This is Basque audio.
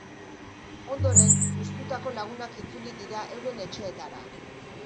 Ondoren, hustutako lagunak itzuli dira euren etxeetara.